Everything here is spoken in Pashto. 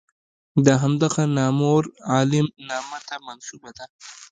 د همدغه نامور عالم نامه ته منسوبه ده.